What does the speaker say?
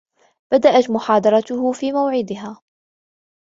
بدأت محاضرته في موعدها.